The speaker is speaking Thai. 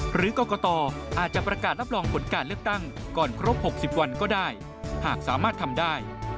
หรือกรกตอาจจะประกาศรับรองผลการเลือกตั้งก่อนครบ๖๐วันก็ได้หากสามารถทำได้